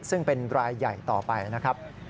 ซึ่งเป็นรายใหญ่ต่อไปนะครับ